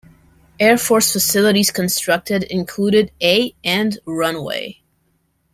Air Force facilities constructed included a and runway.